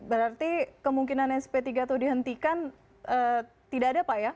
berarti kemungkinan sp tiga itu dihentikan tidak ada pak ya